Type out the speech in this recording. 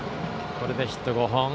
これでヒット５本。